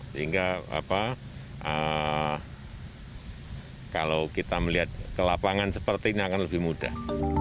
sehingga kalau kita melihat ke lapangan seperti ini akan lebih mudah